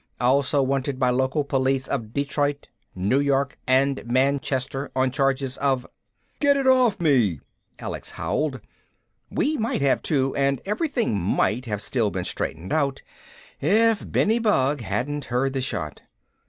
Also wanted by local police of Detroit, New York and Manchester on charges of ..." "Get it off me!" Alex howled. We might have too, and everything might have still been straightened out if Benny Bug hadn't heard the shot.